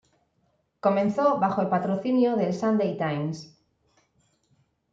Comenzó bajo el patrocinio del "Sunday Times".